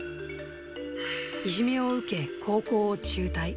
いじめを受け、高校を中退。